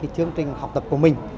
chương trình học tập của mình